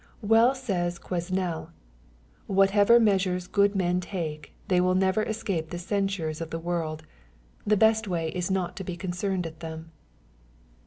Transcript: Well says Quesnel, " Whatever measures good men take, they will never escape the censures of the world. The best way is not to be concerned at them."